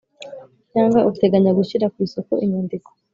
cyangwa uteganya gushyira ku isoko inyandiko